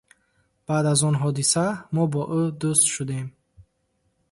Баъд аз он ҳодиса мо бо ӯ дӯст шудем.